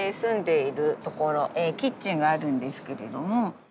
キッチンがあるんですけれども。